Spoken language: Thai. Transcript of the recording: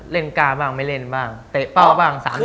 เล่นการบ้างไม่เล่นบ้างเตะเป้าบ้างสามยก